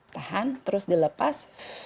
tahan terus dilepas